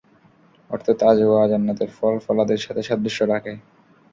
অর্থাৎ-আজওয়া জান্নাতের ফল-ফলাদির সাথে সাদৃশ্য রাখে।